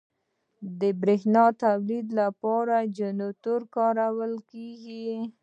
د برېښنا تولید لپاره جنراتور کارول کېږي.